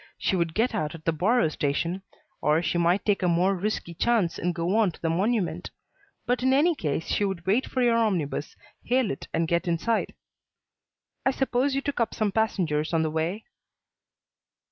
She would get out at the Borough Station, or she might take a more risky chance and go on to the Monument; but in any case she would wait for your omnibus, hail it and get inside. I suppose you took up some passengers on the way?"